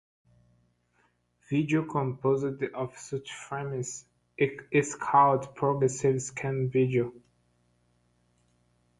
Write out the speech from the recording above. Video composed of such frames is called progressive scan video.